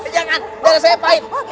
jangan darah saya pahit